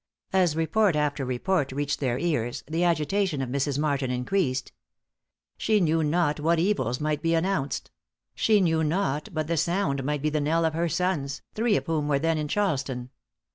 As report after report reached their ears, the agitation of Mrs. Martin increased. She knew not what evils might be announced; she knew not but the sound might be the knell of her sons, three of whom were then in Charleston.